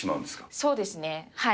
そうですね、はい。